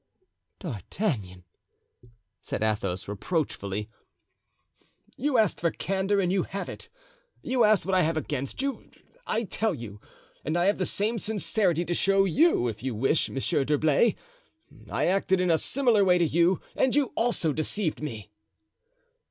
"D'Artagnan!" said Athos, reproachfully. "You asked for candor and you have it. You ask what I have against you; I tell you. And I have the same sincerity to show you, if you wish, Monsieur d'Herblay; I acted in a similar way to you and you also deceived me."